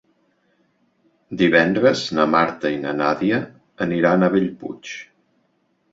Divendres na Marta i na Nàdia aniran a Bellpuig.